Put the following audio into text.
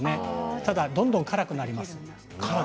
ただどんどん辛くなります。